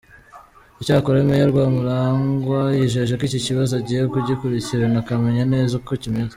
Icyakora Meya Rwamulangwa yijeje ko iki kibazo agiye kugikurikirana akamenya neza uko kimeze.